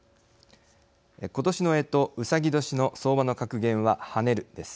今年のえと、うさぎ年の相場の格言は跳ねるです。